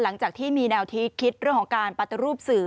หลังจากที่มีแนวคิดคิดเรื่องของการปฏิรูปสื่อ